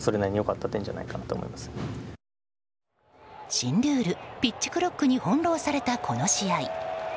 新ルール、ピッチクロックに翻弄されたこの試合。